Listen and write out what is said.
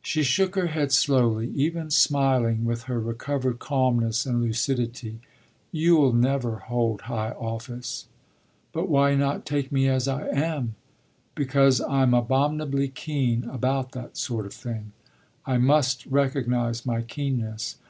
She shook her head slowly, even smiling with her recovered calmness and lucidity. "You'll never hold high office." "But why not take me as I am?" "Because I'm abominably keen about that sort of thing I must recognise my keenness.